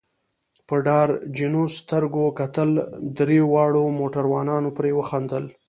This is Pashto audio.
په ډار جنو سترګو کتل، دریو واړو موټروانانو پرې وخندل.